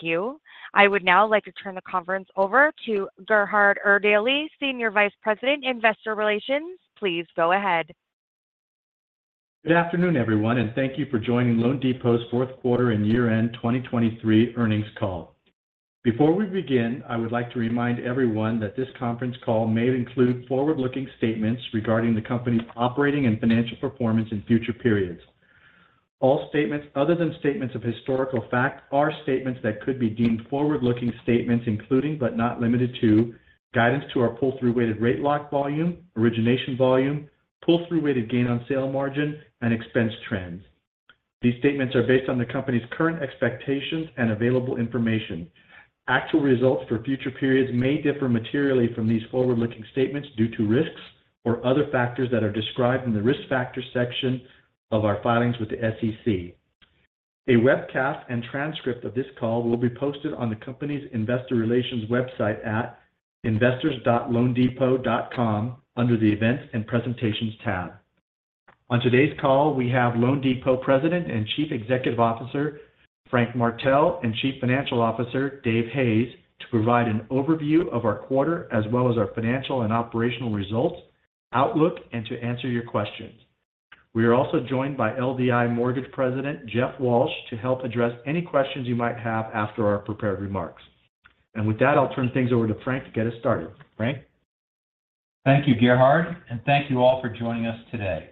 Thank you. I would now like to turn the conference over to Gerhard Erdelji, Senior Vice President, Investor Relations. Please go ahead. Good afternoon, everyone, and thank you for joining loanDepot's fourth quarter and year-end 2023 earnings call. Before we begin, I would like to remind everyone that this conference call may include forward-looking statements regarding the company's operating and financial performance in future periods. All statements other than statements of historical fact are statements that could be deemed forward-looking statements, including but not limited to guidance to our pull-through-weighted rate lock volume, origination volume, pull-through-weighted gain-on-sale margin, and expense trends. These statements are based on the company's current expectations and available information. Actual results for future periods may differ materially from these forward-looking statements due to risks or other factors that are described in the risk factors section of our filings with the SEC. A webcast and transcript of this call will be posted on the company's Investor Relations website at investors.loanDepot.com under the Events and Presentations tab. On today's call, we have loanDepot President and Chief Executive Officer Frank Martell and Chief Financial Officer Dave Hayes to provide an overview of our quarter as well as our financial and operational results, outlook, and to answer your questions. We are also joined by LDI Mortgage President Jeff Walsh to help address any questions you might have after our prepared remarks. With that, I'll turn things over to Frank to get us started. Frank? Thank you, Gerhard, and thank you all for joining us today.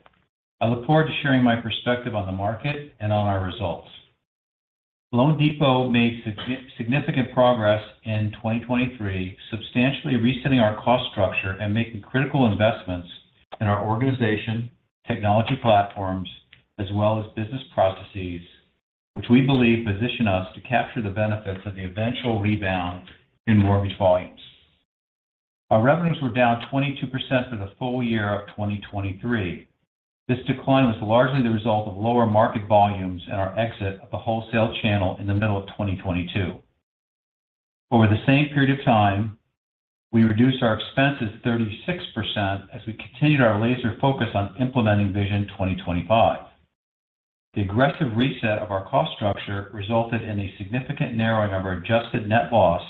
I look forward to sharing my perspective on the market and on our results. LoanDepot made significant progress in 2023, substantially resetting our cost structure and making critical investments in our organization, technology platforms, as well as business processes, which we believe position us to capture the benefits of the eventual rebound in mortgage volumes. Our revenues were down 22% for the full year of 2023. This decline was largely the result of lower market volumes and our exit of the wholesale channel in the middle of 2022. Over the same period of time, we reduced our expenses 36% as we continued our laser focus on implementing Vision 2025. The aggressive reset of our cost structure resulted in a significant narrowing of our Adjusted net loss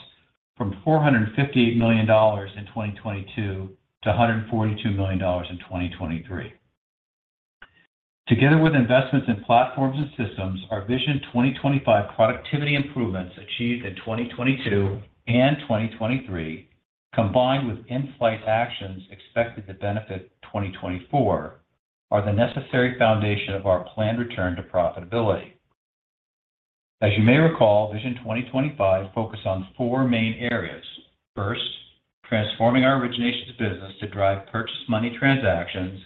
from $458 million in 2022 to $142 million in 2023. Together with investments in platforms and systems, our Vision 2025 productivity improvements achieved in 2022 and 2023, combined with in-flight actions expected to benefit 2024, are the necessary foundation of our planned return to profitability. As you may recall, Vision 2025 focused on four main areas. First, transforming our originations business to drive purchase money transactions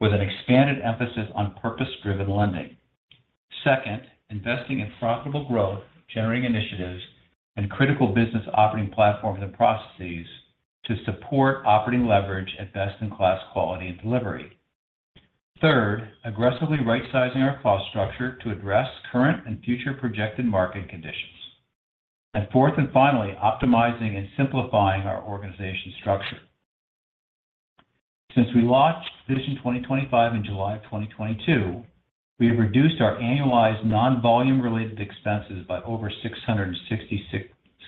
with an expanded emphasis on purpose-driven lending. Second, investing in profitable growth-generating initiatives and critical business operating platforms and processes to support operating leverage at best-in-class quality and delivery. Third, aggressively right-sizing our cost structure to address current and future projected market conditions. And fourth and finally, optimizing and simplifying our organizational structure. Since we launched Vision 2025 in July of 2022, we have reduced our annualized non-volume-related expenses by over $666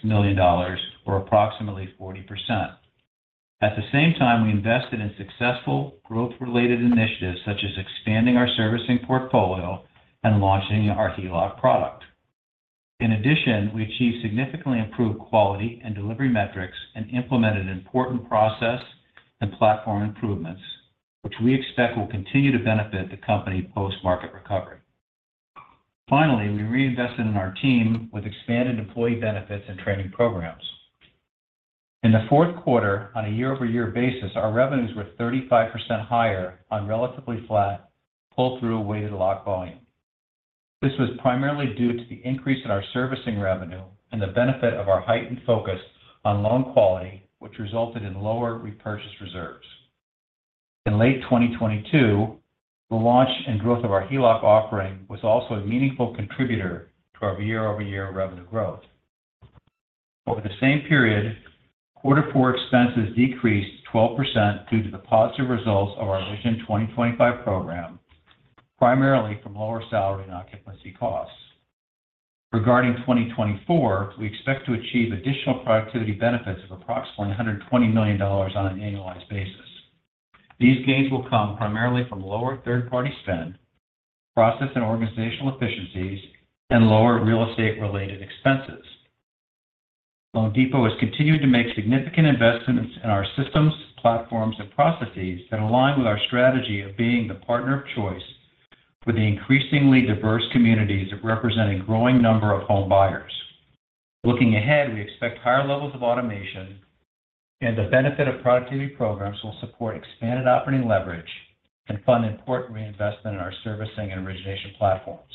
million, or approximately 40%. At the same time, we invested in successful growth-related initiatives such as expanding our servicing portfolio and launching our HELOC product. In addition, we achieved significantly improved quality and delivery metrics and implemented important process and platform improvements, which we expect will continue to benefit the company post-market recovery. Finally, we reinvested in our team with expanded employee benefits and training programs. In the fourth quarter, on a year-over-year basis, our revenues were 35% higher on relatively flat pull-through-weighted lock volume. This was primarily due to the increase in our servicing revenue and the benefit of our heightened focus on loan quality, which resulted in lower repurchase reserves. In late 2022, the launch and growth of our HELOC offering was also a meaningful contributor to our year-over-year revenue growth. Over the same period, Q4 expenses decreased 12% due to the positive results of our Vision 2025 program, primarily from lower salary and occupancy costs. Regarding 2024, we expect to achieve additional productivity benefits of approximately $120 million on an annualized basis. These gains will come primarily from lower third-party spend, process and organizational efficiencies, and lower real estate-related expenses. LoanDepot has continued to make significant investments in our systems, platforms, and processes that align with our strategy of being the partner of choice for the increasingly diverse communities representing a growing number of home buyers. Looking ahead, we expect higher levels of automation, and the benefit of productivity programs will support expanded operating leverage and fund important reinvestment in our servicing and origination platforms.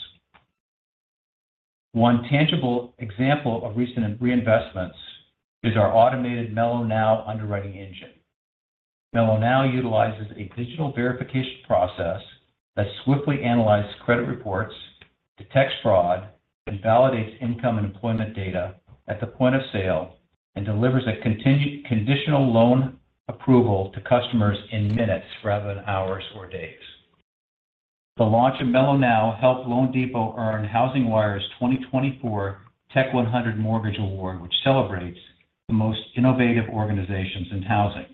One tangible example of recent reinvestments is our automated melloNOW underwriting engine. melloNOW utilizes a digital verification process that swiftly analyzes credit reports, detects fraud, and validates income and employment data at the point of sale and delivers a conditional loan approval to customers in minutes rather than hours or days. The launch of melloNOW helped loanDepot earn HousingWire's 2024 Tech 100 Mortgage Award, which celebrates the most innovative organizations in housing.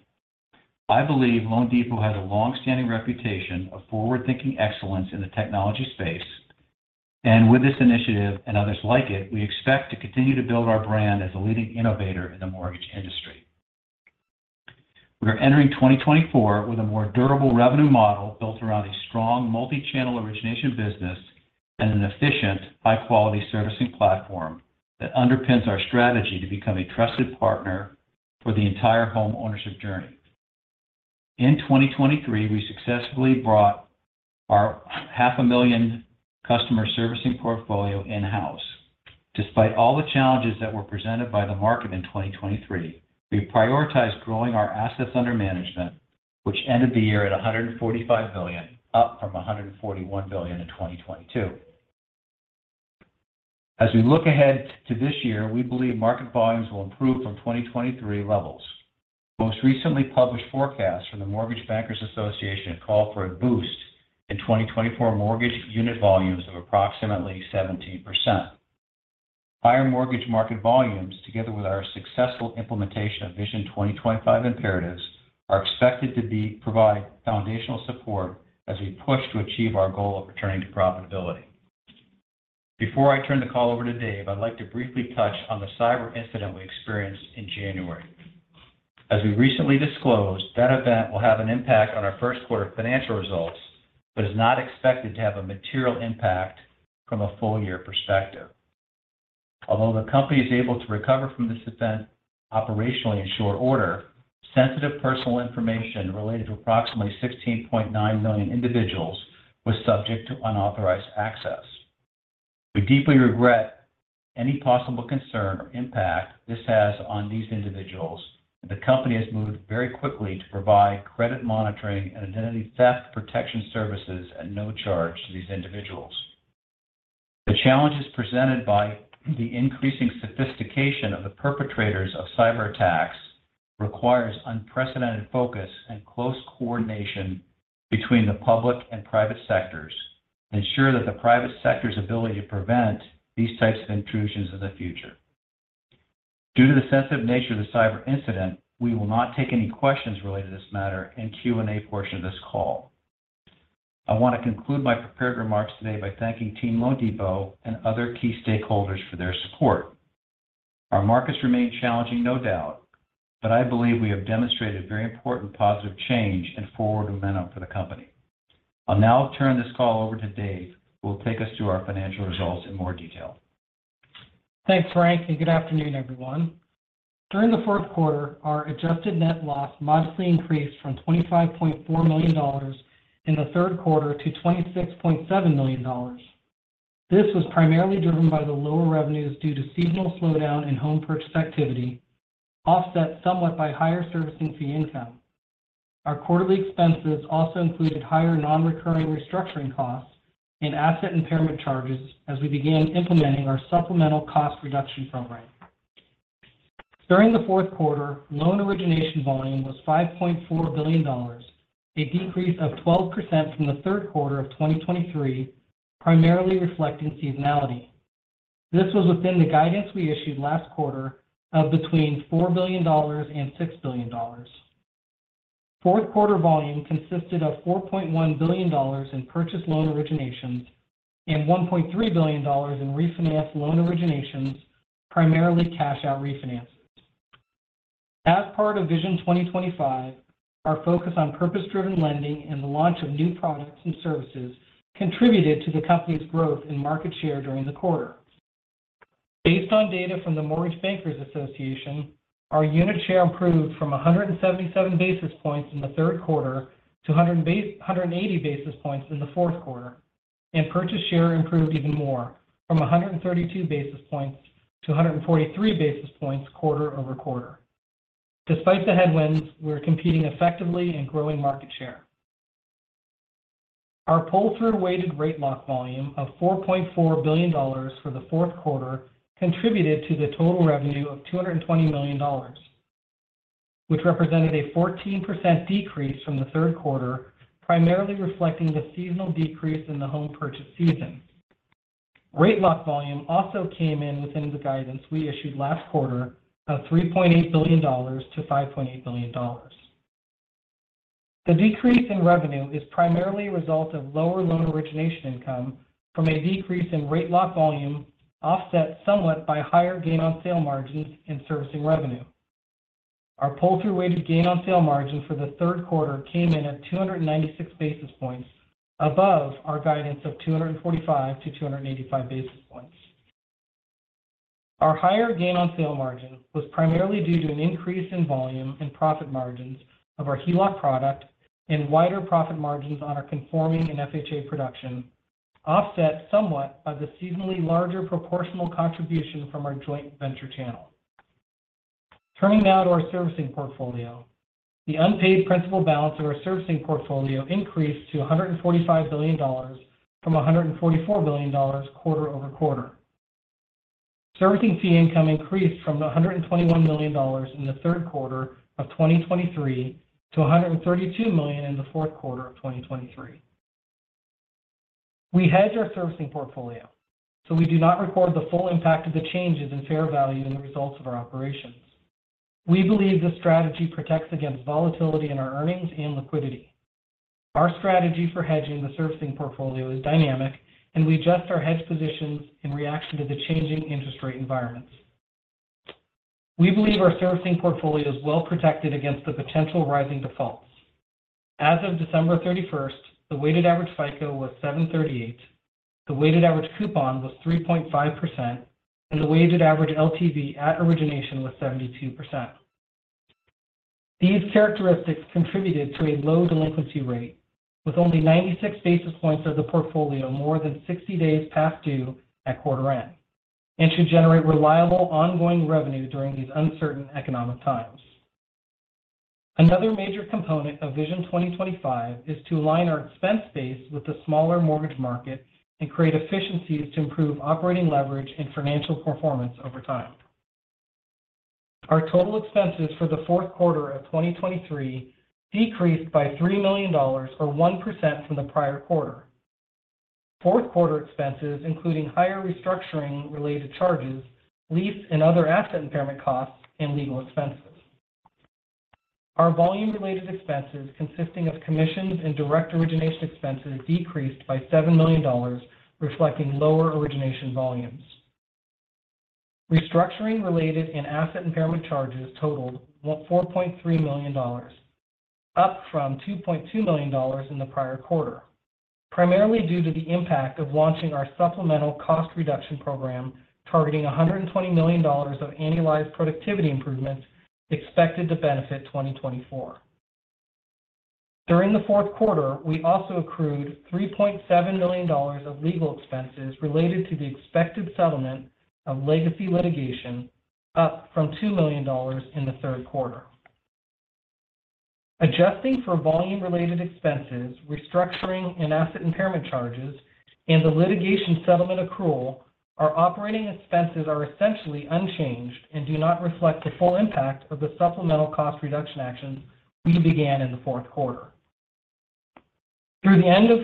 I believe loanDepot has a longstanding reputation of forward-thinking excellence in the technology space, and with this initiative and others like it, we expect to continue to build our brand as a leading innovator in the mortgage industry. We are entering 2024 with a more durable revenue model built around a strong multi-channel origination business and an efficient, high-quality servicing platform that underpins our strategy to become a trusted partner for the entire home ownership journey. In 2023, we successfully brought our 500,000 customer servicing portfolio in-house. Despite all the challenges that were presented by the market in 2023, we prioritized growing our assets under management, which ended the year at $145 billion, up from $141 billion in 2022. As we look ahead to this year, we believe market volumes will improve from 2023 levels. Most recently published forecasts from the Mortgage Bankers Association call for a boost in 2024 mortgage unit volumes of approximately 17%. Higher mortgage market volumes, together with our successful implementation of Vision 2025 imperatives, are expected to provide foundational support as we push to achieve our goal of returning to profitability. Before I turn the call over to Dave, I'd like to briefly touch on the cyber incident we experienced in January. As we recently disclosed, that event will have an impact on our first quarter financial results but is not expected to have a material impact from a full-year perspective. Although the company is able to recover from this event operationally in short order, sensitive personal information related to approximately 16.9 million individuals was subject to unauthorized access. We deeply regret any possible concern or impact this has on these individuals, and the company has moved very quickly to provide credit monitoring and identity theft protection services at no charge to these individuals. The challenges presented by the increasing sophistication of the perpetrators of cyber attacks require unprecedented focus and close coordination between the public and private sectors to ensure that the private sector's ability to prevent these types of intrusions in the future. Due to the sensitive nature of the cyber incident, we will not take any questions related to this matter in the Q&A portion of this call. I want to conclude my prepared remarks today by thanking Team loanDepot and other key stakeholders for their support. Our markets remain challenging, no doubt, but I believe we have demonstrated very important positive change and forward momentum for the company. I'll now turn this call over to Dave, who will take us through our financial results in more detail. Thanks, Frank, and good afternoon, everyone. During the fourth quarter, our adjusted net loss modestly increased from $25.4 million in the third quarter to $26.7 million. This was primarily driven by the lower revenues due to seasonal slowdown in home purchase activity, offset somewhat by higher servicing fee income. Our quarterly expenses also included higher non-recurring restructuring costs and asset impairment charges as we began implementing our supplemental cost reduction program. During the fourth quarter, loan origination volume was $5.4 billion, a decrease of 12% from the third quarter of 2023, primarily reflecting seasonality. This was within the guidance we issued last quarter of between $4 billion and $6 billion. Fourth quarter volume consisted of $4.1 billion in purchase loan originations and $1.3 billion in refinanced loan originations, primarily cash-out refinances. As part of Vision 2025, our focus on purpose-driven lending and the launch of new products and services contributed to the company's growth in market share during the quarter. Based on data from the Mortgage Bankers Association, our unit share improved from 177 basis points in the third quarter to 180 basis points in the fourth quarter, and purchase share improved even more from 132 basis points to 143 basis points quarter-over-quarter. Despite the headwinds, we're competing effectively and growing market share. Our pull-through-weighted rate lock volume of $4.4 billion for the fourth quarter contributed to the total revenue of $220 million, which represented a 14% decrease from the third quarter, primarily reflecting the seasonal decrease in the home purchase season. Rate lock volume also came in within the guidance we issued last quarter of $3.8 billion-$5.8 billion. The decrease in revenue is primarily a result of lower loan origination income from a decrease in rate lock volume, offset somewhat by higher gain-on-sale margins in servicing revenue. Our pull-through-weighted gain-on-sale margin for the third quarter came in at 296 basis points, above our guidance of 245 basis points-285 basis points. Our higher gain-on-sale margin was primarily due to an increase in volume and profit margins of our HELOC product and wider profit margins on our conforming and FHA production, offset somewhat by the seasonally larger proportional contribution from our joint venture channel. Turning now to our servicing portfolio, the unpaid principal balance of our servicing portfolio increased to $145 billion from $144 billion quarter-over-quarter. Servicing fee income increased from $121 million in the third quarter of 2023 to $132 million in the fourth quarter of 2023. We hedge our servicing portfolio, so we do not record the full impact of the changes in fair value in the results of our operations. We believe this strategy protects against volatility in our earnings and liquidity. Our strategy for hedging the servicing portfolio is dynamic, and we adjust our hedge positions in reaction to the changing interest rate environments. We believe our servicing portfolio is well protected against the potential rising defaults. As of December 31st, the weighted average FICO was 738, the weighted average coupon was 3.5%, and the weighted average LTV at origination was 72%. These characteristics contributed to a low delinquency rate, with only 96 basis points of the portfolio more than 60 days past due at quarter end, and should generate reliable ongoing revenue during these uncertain economic times. Another major component of Vision 2025 is to align our expense base with the smaller mortgage market and create efficiencies to improve operating leverage and financial performance over time. Our total expenses for the fourth quarter of 2023 decreased by $3 million, or 1%, from the prior quarter, fourth quarter expenses, including higher restructuring-related charges, lease, and other asset impairment costs, and legal expenses. Our volume-related expenses, consisting of commissions and direct origination expenses, decreased by $7 million, reflecting lower origination volumes. Restructuring-related and asset impairment charges totaled $4.3 million, up from $2.2 million in the prior quarter, primarily due to the impact of launching our supplemental cost reduction program targeting $120 million of annualized productivity improvements expected to benefit 2024. During the fourth quarter, we also accrued $3.7 million of legal expenses related to the expected settlement of legacy litigation, up from $2 million in the third quarter. Adjusting for volume-related expenses, restructuring, and asset impairment charges, and the litigation settlement accrual, our operating expenses are essentially unchanged and do not reflect the full impact of the supplemental cost reduction actions we began in the fourth quarter. Through the end of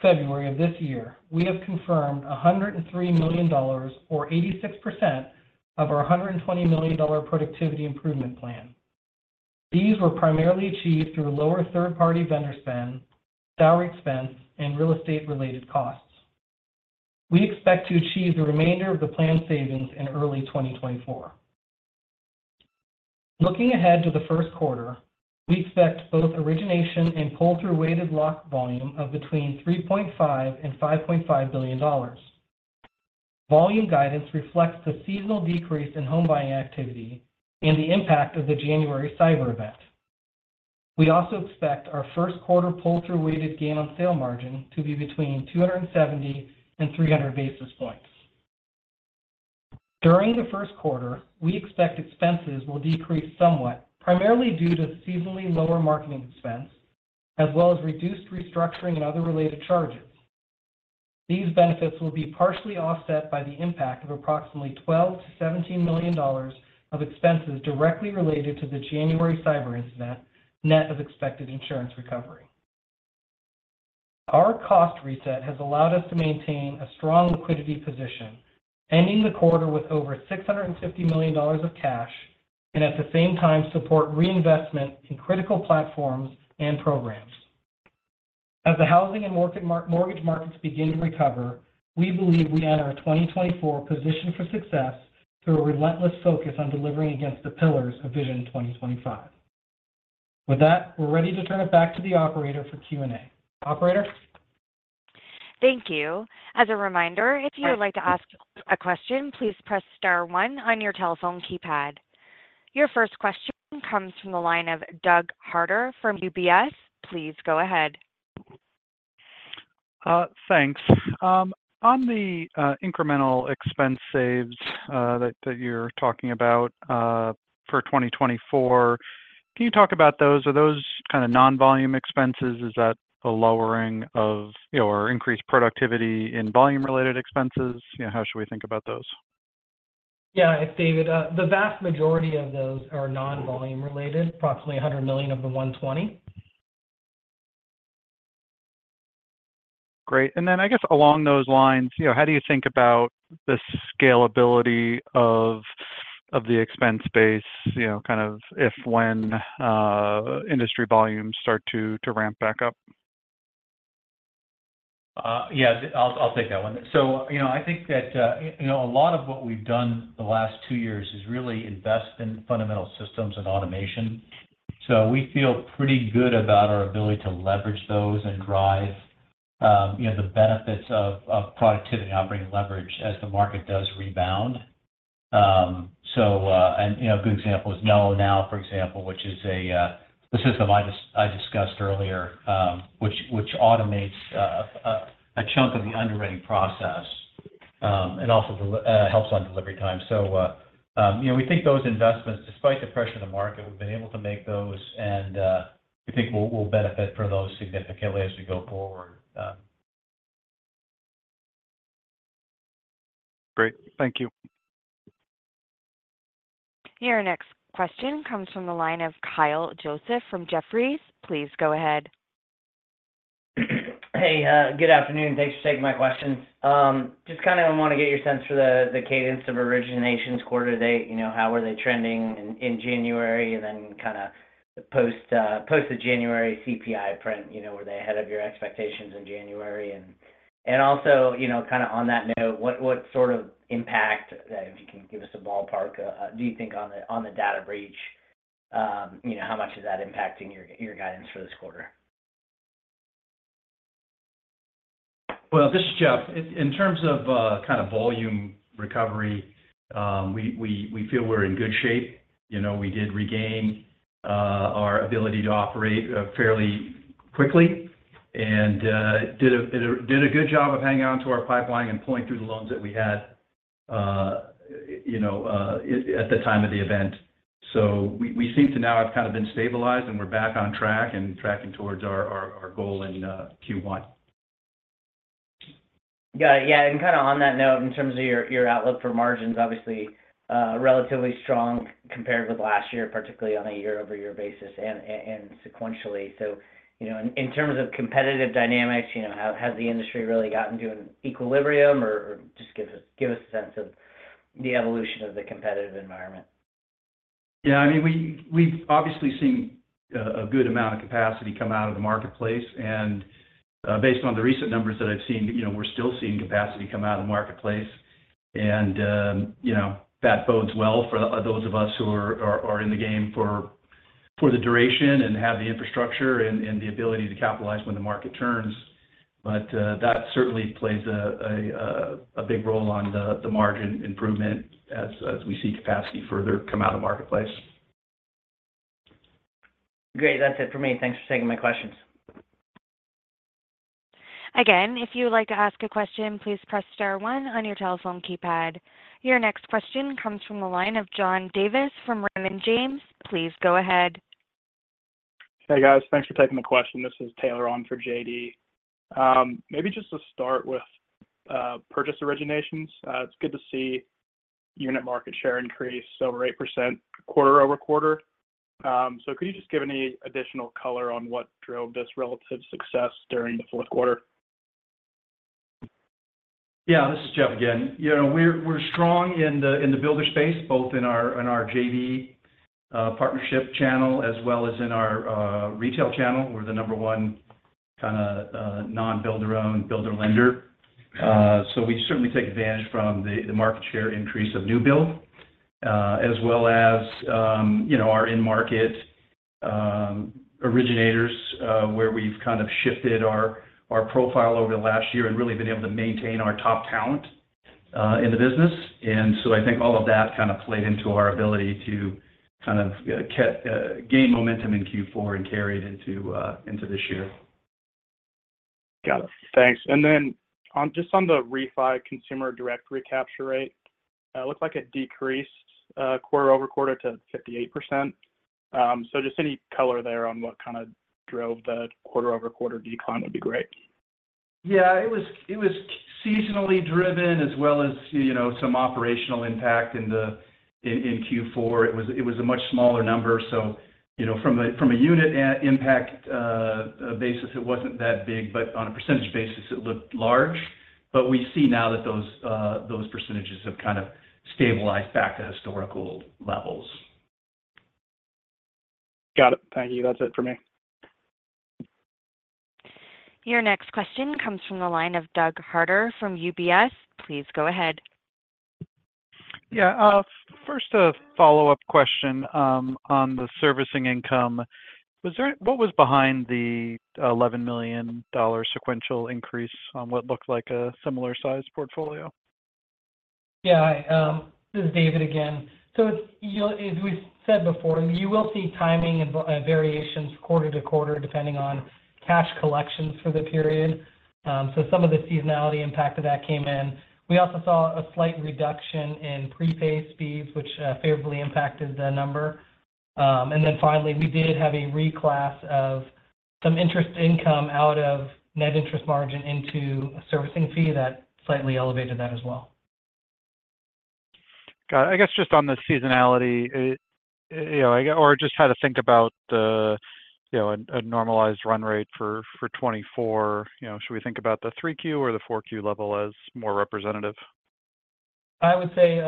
February of this year, we have confirmed $103 million, or 86%, of our $120 million productivity improvement plan. These were primarily achieved through lower third-party vendor spend, salary expense, and real estate-related costs. We expect to achieve the remainder of the plan savings in early 2024. Looking ahead to the first quarter, we expect both origination and pull-through-weighted lock volume of between $3.5 billion-$5.5 billion. Volume guidance reflects the seasonal decrease in home buying activity and the impact of the January cyber event. We also expect our first quarter pull-through-weighted gain-on-sale margin to be between 270-300 basis points. During the first quarter, we expect expenses will decrease somewhat, primarily due to seasonally lower marketing expense, as well as reduced restructuring and other related charges. These benefits will be partially offset by the impact of approximately $12 million-$17 million of expenses directly related to the January cyber incident, net of expected insurance recovery. Our cost reset has allowed us to maintain a strong liquidity position, ending the quarter with over $650 million of cash, and at the same time support reinvestment in critical platforms and programs. As the housing and mortgage markets begin to recover, we believe we enter a 2024 position for success through a relentless focus on delivering against the pillars of Vision 2025. With that, we're ready to turn it back to the operator for Q&A. Operator? Thank you. As a reminder, if you would like to ask a question, please press star one on your telephone keypad. Your first question comes from the line of Doug Harder from UBS. Please go ahead. Thanks. On the incremental expense saves that you're talking about for 2024, can you talk about those? Are those kind of non-volume expenses? Is that a lowering of or increased productivity in volume-related expenses? How should we think about those? Yeah, it's David. The vast majority of those are non-volume-related, approximately $100 million of the $120 million. Great. And then, I guess, along those lines, how do you think about the scalability of the expense base, kind of if/when industry volumes start to ramp back up? Yeah, I'll take that one. So I think that a lot of what we've done the last two years is really invest in fundamental systems and automation. So we feel pretty good about our ability to leverage those and drive the benefits of productivity and operating leverage as the market does rebound. And a good example is MelloNow, for example, which is a system I discussed earlier, which automates a chunk of the underwriting process and also helps on delivery time. So we think those investments, despite the pressure of the market, we've been able to make those, and we think we'll benefit from those significantly as we go forward. Great. Thank you. Your next question comes from the line of Kyle Joseph from Jefferies. Please go ahead. Hey, good afternoon. Thanks for taking my questions. Just kind of want to get your sense for the cadence of originations quarter to date. How are they trending in January and then kind of post the January CPI print? Were they ahead of your expectations in January? And also, kind of on that note, what sort of impact, if you can give us a ballpark, do you think on the data breach, how much is that impacting your guidance for this quarter? Well, this is Jeff. In terms of kind of volume recovery, we feel we're in good shape. We did regain our ability to operate fairly quickly and did a good job of hanging on to our pipeline and pulling through the loans that we had at the time of the event. So we seem to now have kind of been stabilized, and we're back on track and tracking towards our goal in Q1. Got it. Yeah. And kind of on that note, in terms of your outlook for margins, obviously relatively strong compared with last year, particularly on a year-over-year basis and sequentially. So in terms of competitive dynamics, has the industry really gotten to an equilibrium, or just give us a sense of the evolution of the competitive environment? Yeah. I mean, we've obviously seen a good amount of capacity come out of the marketplace. Based on the recent numbers that I've seen, we're still seeing capacity come out of the marketplace. That bodes well for those of us who are in the game for the duration and have the infrastructure and the ability to capitalize when the market turns. That certainly plays a big role on the margin improvement as we see capacity further come out of the marketplace. Great. That's it for me. Thanks for taking my questions. Again, if you would like to ask a question, please press star one on your telephone keypad. Your next question comes from the line of John Davis from Raymond James. Please go ahead. Hey, guys. Thanks for taking the question. This is Taylor on for JD. Maybe just to start with purchase originations, it's good to see unit market share increase over 8% quarter-over-quarter. So could you just give any additional color on what drove this relative success during the fourth quarter? Yeah. This is Jeff again. We're strong in the builder space, both in our JV partnership channel as well as in our retail channel. We're the number one kind of non-builder-owned, builder lender. So we certainly take advantage from the market share increase of new build, as well as our in-market originators, where we've kind of shifted our profile over the last year and really been able to maintain our top talent in the business. And so I think all of that kind of played into our ability to kind of gain momentum in Q4 and carry it into this year. Got it. Thanks. And then just on the Refi consumer direct recapture rate, it looked like it decreased quarter-over-quarter to 58%. So just any color there on what kind of drove the quarter-over-quarter decline would be great. Yeah. It was seasonally driven as well as some operational impact in Q4. It was a much smaller number. So from a unit impact basis, it wasn't that big, but on a percentage basis, it looked large. But we see now that those percentages have kind of stabilized back to historical levels. Got it. Thank you. That's it for me. Your next question comes from the line of Doug Harder from UBS. Please go ahead. Yeah. First follow-up question on the servicing income. What was behind the $11 million sequential increase on what looked like a similar-sized portfolio? Yeah. This is David again. So as we said before, you will see timing variations quarter to quarter depending on cash collections for the period. So some of the seasonality impact of that came in. We also saw a slight reduction in pre-pay speeds, which favorably impacted the number. And then finally, we did have a reclass of some interest income out of net interest margin into a servicing fee that slightly elevated that as well. Got it. I guess just on the seasonality, or just how to think about a normalized run rate for 2024, should we think about the 3Q or the 4Q level as more representative? I would say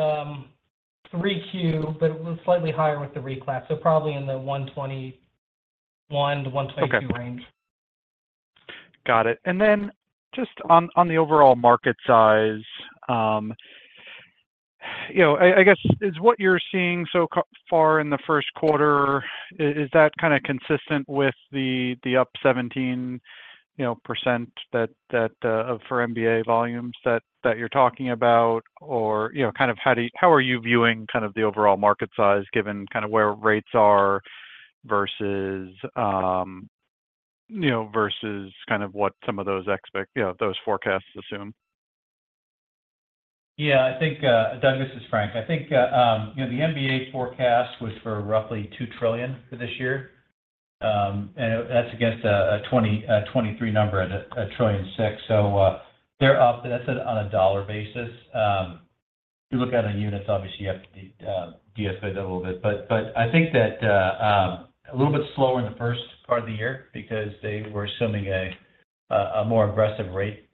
3Q, but it was slightly higher with the reclass, so probably in the 121-122 range. Got it. And then just on the overall market size, I guess, is what you're seeing so far in the first quarter, is that kind of consistent with the up 17% for MBA volumes that you're talking about, or kind of how are you viewing kind of the overall market size given kind of where rates are versus kind of what some of those forecasts assume? Yeah. Doug, this is Frank. I think the MBA forecast was for roughly $2 trillion for this year, and that's against a 2023 number at $1.6 trillion. So they're up, but that's on a dollar basis. If you look at the units, obviously, you have to de-escalate that a little bit. But I think that a little bit slower in the first part of the year because they were assuming a more aggressive rate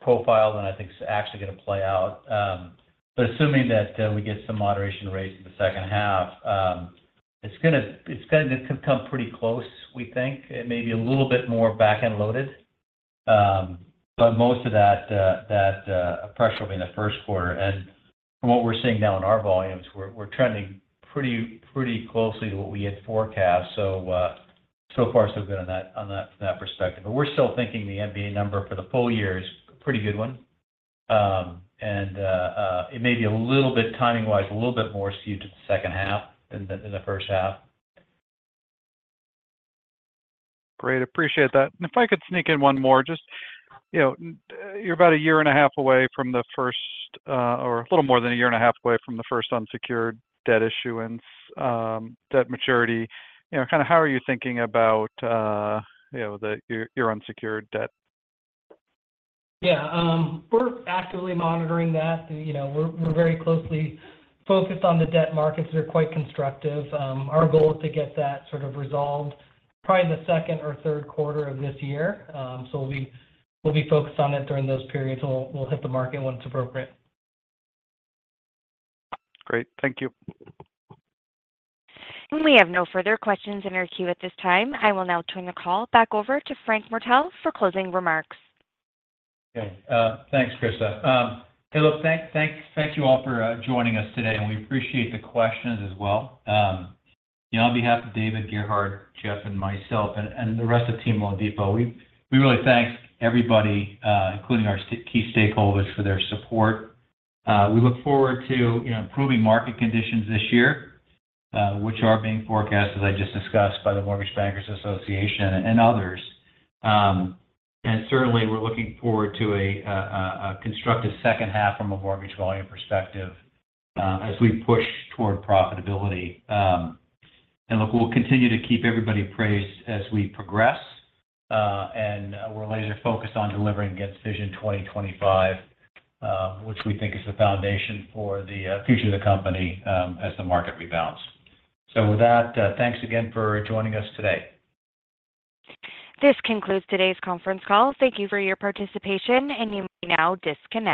profile than I think is actually going to play out. But assuming that we get some moderation rates in the second half, it's going to come pretty close, we think, and maybe a little bit more backend-loaded, but most of that pressure will be in the first quarter. And from what we're seeing now in our volumes, we're trending pretty closely to what we had forecast. So far, so good on that perspective. But we're still thinking the MBA number for the full year is a pretty good one. And it may be a little bit timing-wise, a little bit more skewed to the second half than the first half. Great. Appreciate that. And if I could sneak in one more, just you're about a year and a half away from the first or a little more than a year and a half away from the first unsecured debt issuance, debt maturity. Kind of how are you thinking about your unsecured debt? Yeah. We're actively monitoring that. We're very closely focused on the debt markets. They're quite constructive. Our goal is to get that sort of resolved probably in the second or third quarter of this year. So we'll be focused on it during those periods, and we'll hit the market when it's appropriate. Great. Thank you. We have no further questions in our queue at this time. I will now turn the call back over to Frank Martell for closing remarks. Okay. Thanks, Krista. Hey, look, thank you all for joining us today, and we appreciate the questions as well. On behalf of David, Gerhard, Jeff, and myself, and the rest of team loanDepot, we really thank everybody, including our key stakeholders, for their support. We look forward to improving market conditions this year, which are being forecast, as I just discussed, by the Mortgage Bankers Association and others. And certainly, we're looking forward to a constructive second half from a mortgage volume perspective as we push toward profitability. And look, we'll continue to keep everybody praised as we progress, and we're laser-focused on delivering against Vision 2025, which we think is the foundation for the future of the company as the market rebounds. So with that, thanks again for joining us today. This concludes today's conference call. Thank you for your participation, and you may now disconnect.